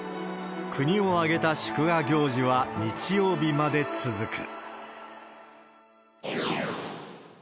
国を挙げた祝賀行事は日曜日まで続く。